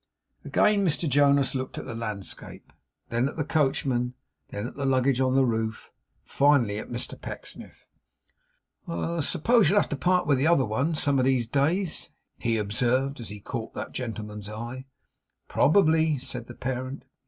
Again Mr Jonas looked at the landscape; then at the coachman; then at the luggage on the roof; finally at Mr Pecksniff. 'I suppose you'll have to part with the other one, some of these days?' he observed, as he caught that gentleman's eye. 'Probably,' said the parent.